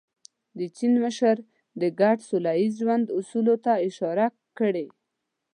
د چین مشر د ګډ سوله ییز ژوند اصولو ته اشاره کړې.